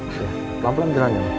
pelan pelan jalan ya mbak